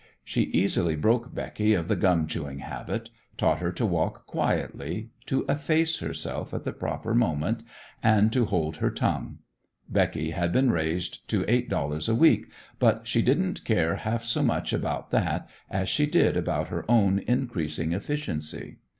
She easily broke Becky of the gum chewing habit, taught her to walk quietly, to efface herself at the proper moment, and to hold her tongue. Becky had been raised to eight dollars a week; but she didn't care half so much about that as she did about her own increasing efficiency.